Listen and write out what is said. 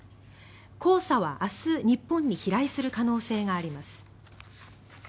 黄砂は明日、日本に飛来する可能性があります。